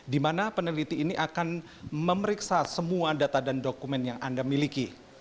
di mana peneliti ini akan memeriksa semua data dan dokumen yang anda miliki